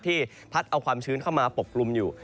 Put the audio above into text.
ที่พัดเอาความชื้นเข้ามาปกกลุ่มอยู่